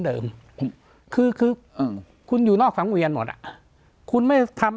เดิมคือคืออืมคุณอยู่นอกสังเวียนหมดอ่ะคุณไม่ทำ